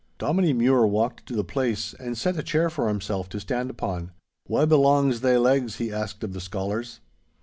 Dominie Mure walked to the place and set a chair for himself to stand upon. 'Wha belangs thae legs?' he asked of the scholars.